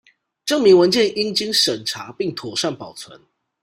證明文件應經審查並妥善保存